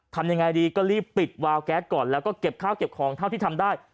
ทำยังไงดีก็รีบปิดวาวแก๊สก่อนแล้วก็เก็บข้าวเก็บของเท่าที่ทำได้